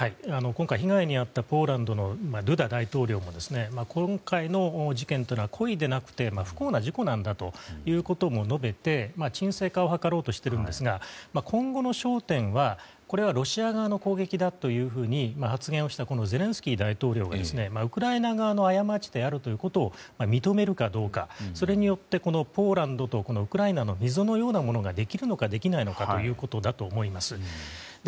今回、被害に遭ったポーランドのドゥダ大統領も今回の事件は故意ではなくて不幸な事故なんだということも述べて沈静化を図ろうとしているんですが今後の焦点はこれはロシア側の攻撃だと発言したゼレンスキー大統領がウクライナ側の過ちであることを認めるかどうかそれによって、ポーランドとウクライナに溝のようなものができるのかできないのかということだと思います。